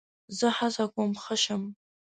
زه هڅه کوم ښه شم.